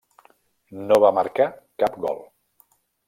No va marcar cap gol.